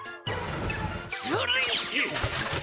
それ！